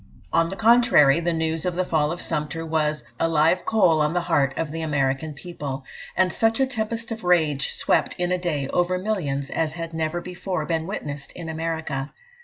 On the contrary, the news of the fall of Sumter was "a live coal on the heart of the American people;" and such a tempest of rage swept in a day over millions, as had never before been witnessed in America.